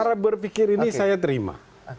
cara berpikir ini saya terima